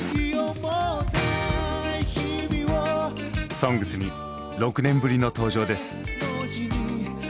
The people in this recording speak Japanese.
「ＳＯＮＧＳ」に６年ぶりの登場です。